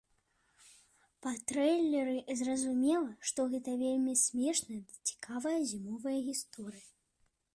Па трэйлеры зразумела, што гэта вельмі смешная ды цікавая зімовая гісторыя.